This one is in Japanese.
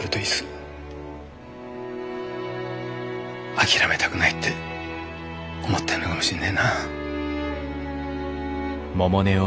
諦めたくないって思ってんのかもしんねえな。